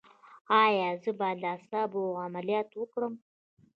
ایا زه باید د اعصابو عملیات وکړم؟